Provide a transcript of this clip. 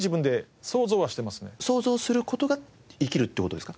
想像する事が生きるって事ですか？